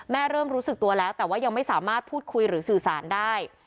เริ่มรู้สึกตัวแล้วแต่ว่ายังไม่สามารถพูดคุยหรือสื่อสารได้